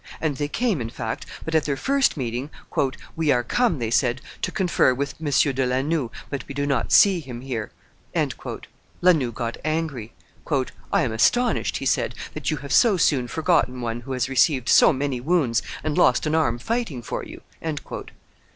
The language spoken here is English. And they came, in fact, but at their first meeting, "We are come," they said, "to confer with M. de La Noue, but we do not see him here." La Noue got angry. "I am astonished," he said, "that you have so soon forgotten one who has received so many wounds and lost an arm fighting for you."